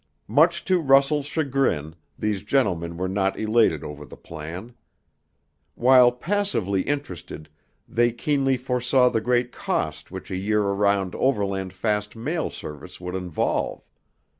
Much to Russell's chagrin, these gentlemen were not elated over the plan. While passively interested, they keenly foresaw the great cost which a year around overland fast mail service would involve.